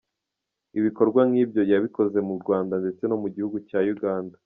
Ibikorwa nk'ibyo yabikoze mu Rwanda ndetse no mu gihugu cya Uganda.